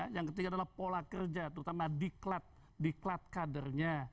yang ketiga adalah pola kerja terutama diklat kadernya